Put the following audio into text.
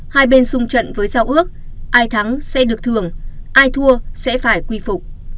hai bên sung trận với giao ước ai thắng xe được thường ai thua sẽ phải quy phục